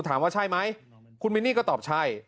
ถามว่าใช่ไหมคุณมินนี่ก็ตอบใช่